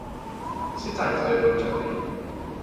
Sut aeth dy apwyntiad 'di?